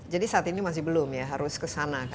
jadi saat ini masih belum ya harus kesana kan